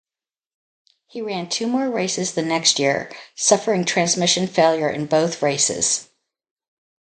He ran two more races the next year, suffering transmission failure in both races.